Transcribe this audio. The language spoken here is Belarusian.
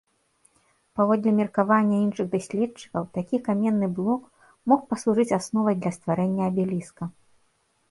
Паводле меркавання іншых даследчыкаў, такі каменны блок мог паслужыць асновай для стварэння абеліска.